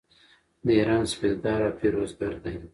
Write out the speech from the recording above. د ایران سپهدار او پیروزګر دی.